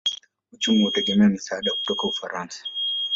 Uchumi hutegemea misaada kutoka Ufaransa.